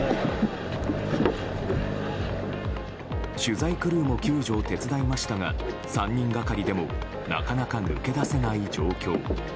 取材クルーも救助を手伝いましたが３人がかりでもなかなか抜け出せない状況。